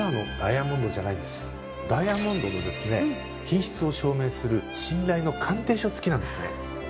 ダイヤモンドの品質を証明する信頼の鑑定書付きなんですね。